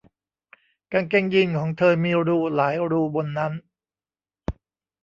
กางเกงยีนส์ของเธอมีรูหลายรูบนนั้น